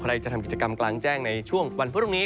จะทำกิจกรรมกลางแจ้งในช่วงวันพรุ่งนี้